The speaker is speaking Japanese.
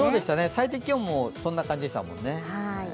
最低気温もそんな感じでしたもんね。